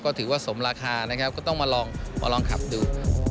ก็ถือว่าสมราคานะครับก็ต้องมาลองมาลองขับดู